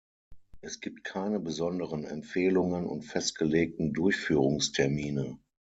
Es gibt keine besonderen Empfehlungen und festgelegten Durchführungstermine.